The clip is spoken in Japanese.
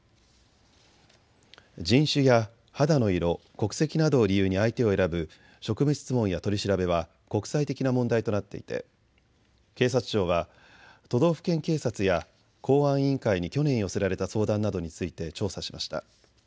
人種や肌の色、国籍などを理由に相手を選ぶ職務質問や取り調べは国際的な問題となっていて警察庁は都道府県警察や公安委員会に去年寄せられた相談などについて調査しました。